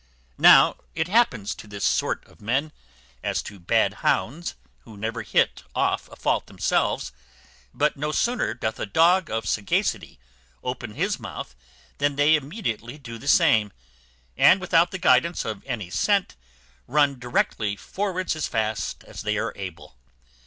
Now it happens to this sort of men, as to bad hounds, who never hit off a fault themselves; but no sooner doth a dog of sagacity open his mouth than they immediately do the same, and, without the guidance of any scent, run directly forwards as fast as they are able.